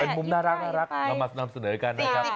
เป็นมุมน่ารักมาสั่งเสนอด้วยกันนะครับ